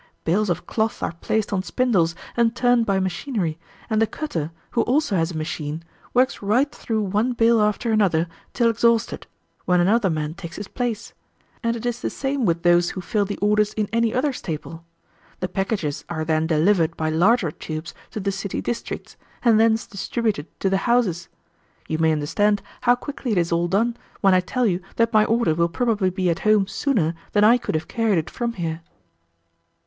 Bales of cloth are placed on spindles and turned by machinery, and the cutter, who also has a machine, works right through one bale after another till exhausted, when another man takes his place; and it is the same with those who fill the orders in any other staple. The packages are then delivered by larger tubes to the city districts, and thence distributed to the houses. You may understand how quickly it is all done when I tell you that my order will probably be at home sooner than I could have carried it from here."